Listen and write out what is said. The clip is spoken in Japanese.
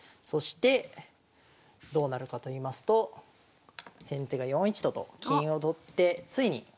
そしてどうなるかといいますと先手が４一と金と金を取ってついに。